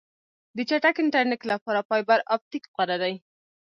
د چټک انټرنیټ لپاره فایبر آپټیک غوره دی.